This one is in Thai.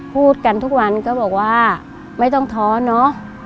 พูดกันทุกวันก็บอกว่าไม่ต้องท้อเนอะ